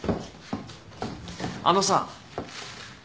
あのさ。